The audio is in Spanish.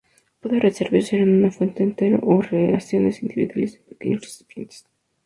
Puede servirse en una fuente entero o en raciones individuales en pequeños recipientes.